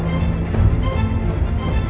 aku ingin menerima keadaanmu